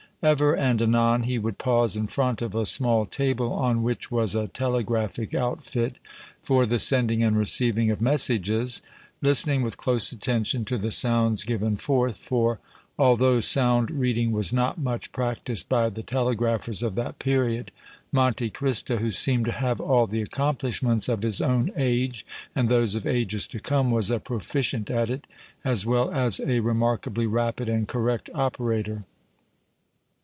Ever and anon he would pause in front of a small table on which was a telegraphic outfit for the sending and receiving of messages, listening with close attention to the sounds given forth, for, although sound reading was not much practiced by the telegraphers of that period, Monte Cristo, who seemed to have all the accomplishments of his own age and those of ages to come, was a proficient at it, as well as a remarkably rapid and correct operator.